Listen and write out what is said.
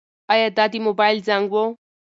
ایا دا د موبایل زنګ و؟